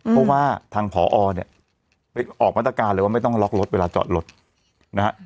เพราะว่าทางผอเนี่ยไปออกมาตรการเลยว่าไม่ต้องล็อกรถเวลาจอดรถนะฮะ